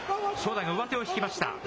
正代が上手を引きました。